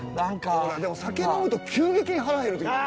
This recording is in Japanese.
でも酒飲むと急激に腹減る時ない？